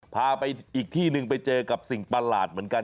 พาไปอีกที่หนึ่งไปเจอกับสิ่งประหลาดเหมือนกัน